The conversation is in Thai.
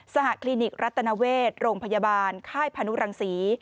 สหคลินิกรัตนเวชโรงพยาบาลค่ายพานุรังศรี